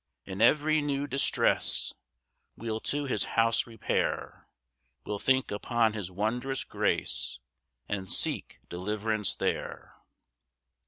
7 In every new distress We'll to his house repair. We'll think upon his wondrous grace, And seek deliverance there.